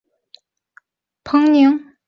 彭宁离子阱。